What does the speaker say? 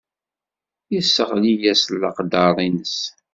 Yesseɣli-as s leqder-nnes.